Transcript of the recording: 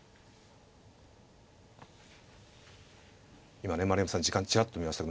今ね丸山さん時間チラッと見ました。